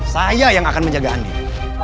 saya yang akan menjaga andil